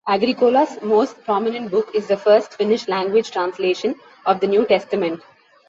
Agricola's most prominent book is the first Finnish-language translation of the New Testament.